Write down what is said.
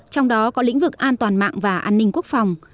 trong đó có lĩnh vực an toàn mạng và an ninh quốc phòng